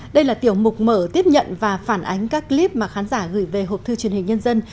đây là tiểu mục mở tiếp nhận và phản ánh các clip mà khán giả gửi về học thư truyền hình nhân dân